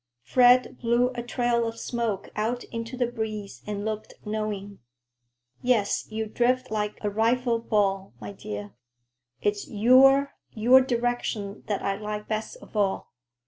Fred blew a trail of smoke out into the breeze and looked knowing. "Yes, you drift like a rifle ball, my dear. It's your—your direction that I like best of all.